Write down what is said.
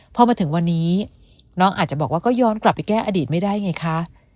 พอมาถึงวันนี้น้องอาจจะบอกว่าก็ย้อนกลับไปแก้อดีตไม่ได้ไงคะ